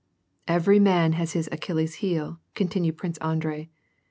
" Every man has his Achilles' heel," continued Prince An drei.